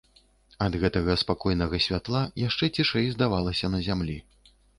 Ад гэтага спакойнага святла яшчэ цішэй здавалася на зямлі.